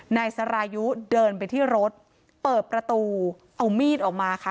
นายสรายุเดินไปที่รถเปิดประตูเอามีดออกมาค่ะ